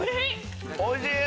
おいしい！